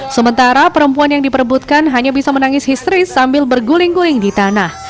sementara perempuan yang diperebutkan hanya bisa menangis histeris sambil berguling guling di tanah